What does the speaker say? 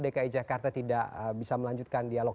dki jakarta tidak bisa melanjutkan dialog